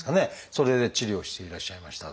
それで治療していらっしゃいましたが。